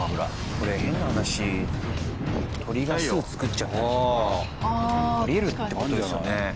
これ変な話鳥が巣作っちゃったりとかあり得るって事ですよね？